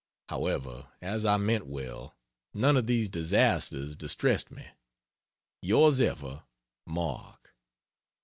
However, as I meant well, none of these disasters distressed me. Yrs ever MARK.